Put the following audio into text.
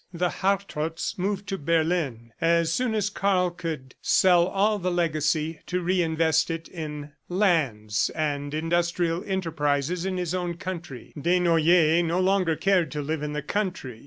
The Hartrotts moved to Berlin as soon as Karl could sell all the legacy, to re invest it in lands and industrial enterprises in his own country. Desnoyers no longer cared to live in the country.